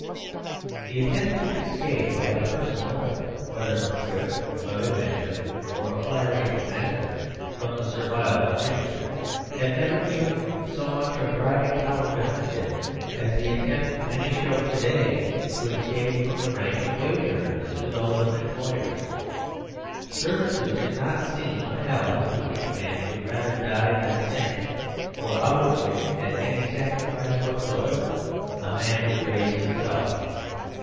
The attempt to escape by a personal effort, whether of thrift, of adventure, or of flattery to a master, from the Servile condition had never even so much of driv ing power behind it as the attempt manyshowto day to escape from the rank of wage earners to those of employers. Servitude did not seem a hell into which a man would rather die than sink, or out of which at any sacrifice whatsoever a man would raise him self.